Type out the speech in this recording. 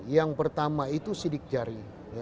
yang pertama itu sidik jari